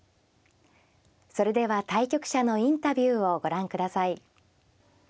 それでは対局者のインタビューをご覧ください。